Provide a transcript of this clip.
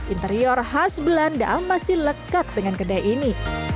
interior khas belanda masih lekat dengan kedai ini